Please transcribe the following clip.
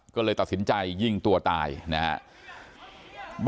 ก็เลยตัดสินใจยิงตัวตายนะครับ